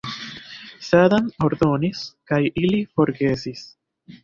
Sadam ordonis, kaj ili forgesis.